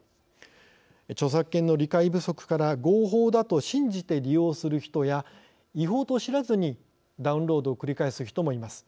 著作権の理解不足から合法だと信じて利用する人や違法と知らずにダウンロードを繰り返す人もいます。